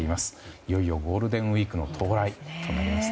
いよいよゴールデンウィークの到来です。